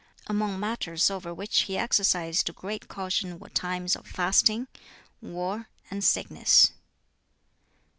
Among matters over which he exercised great caution were times of fasting, war, and sickness.